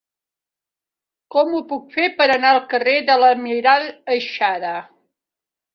Com ho puc fer per anar al carrer de l'Almirall Aixada?